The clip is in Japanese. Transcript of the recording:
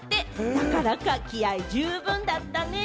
だからか、気合十分だったね。